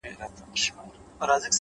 • بیا به کله راسي، وايي بله ورځ ,